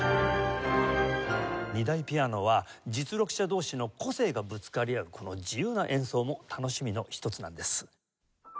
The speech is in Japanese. ２台ピアノは実力者同士の個性がぶつかり合うこの自由な演奏も楽しみの一つなんです。